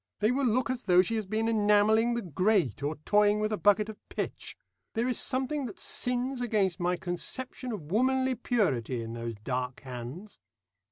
They will look as though she has been enamelling the grate, or toying with a bucket of pitch. There is something that sins against my conception of womanly purity in those dark hands."